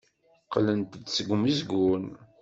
Qqlent-d seg umezgun.